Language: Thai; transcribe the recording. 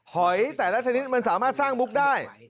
หอยแต่ละชนิดมันสามารถสร้างมุกได้